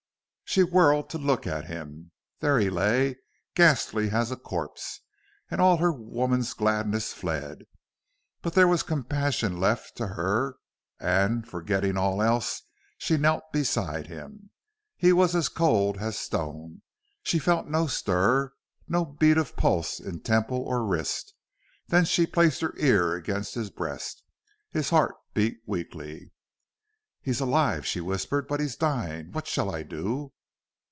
She whirled to look at him. There he lay, ghastly as a corpse. And all her woman's gladness fled. But there was compassion left to her, and, forgetting all else, she knelt beside him. He was as cold as stone. She felt no stir, no beat of pulse in temple or wrist. Then she placed her ear against his breast. His heart beat weakly. "He's alive," she whispered. "But he's dying.... What shall I do?"